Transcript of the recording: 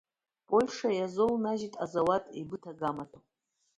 Польша иазаунажьит азауад аибыҭага амаҭәахә.